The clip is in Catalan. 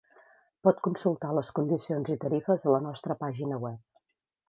Pot consultar les condicions i tarifes a la nostra pàgina web.